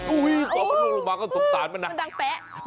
อุ้ยตอนมันลงมาก็สกตาลมันนะมันดังแป๊ะ